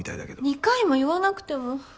２回も言わなくても。